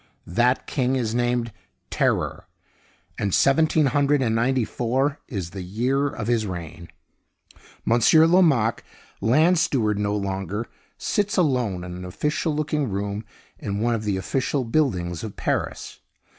That king is named Terror, and seventeen hundred and ninety four is the year of his reign. Monsieur Lomaque, land steward no longer, sits alone in an official looking room in one of the official buildings of Paris.